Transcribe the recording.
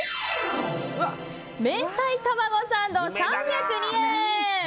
明太たまごサンド、３０２円！